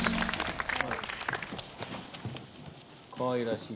かわいらしい。